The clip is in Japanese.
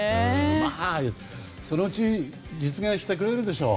まあ、そのうち実現してくれるでしょう。